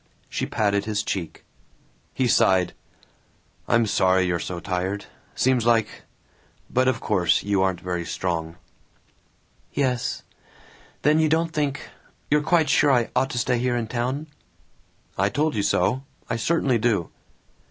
She patted his cheek. He sighed, "I'm sorry you're so tired. Seems like But of course you aren't very strong." "Yes. ... Then you don't think you're quite sure I ought to stay here in town?" "I told you so! I certainly do!"